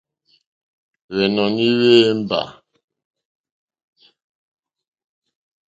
Hwɛ́nɔ̀ní hwɛ́yɛ́mbà.